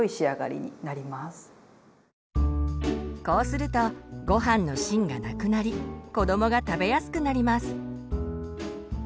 こうするとごはんの芯がなくなり子どもが食べやすくなります。